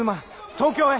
東京へ！